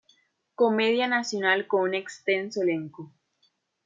Comedia nacional con un extenso elenco.